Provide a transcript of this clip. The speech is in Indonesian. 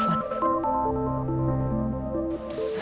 aku harus tenang